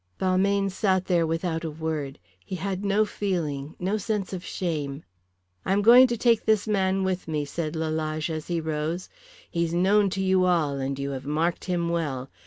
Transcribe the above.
Balmayne sat there without a word. He had no feeling, no sense of shame. "I am going to take this man with me," said Lalage as he rose. "He is known to you all, and you have marked him well.